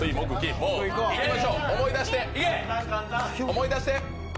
思い出して！